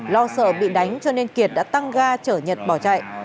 lo sợ bị đánh cho nên kiệt đã tăng ga chở nhật bỏ chạy